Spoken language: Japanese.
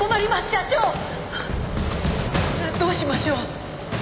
ねえどうしましょう？